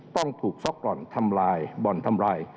ต้องถูกซ็อกบ่อนทำลายบ่อนทำลาย